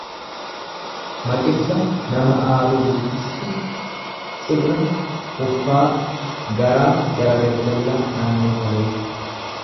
Maqibsa nama aaruu guddistu. Cibra huffaa, garaa gara gajjallaa naannoo kalee.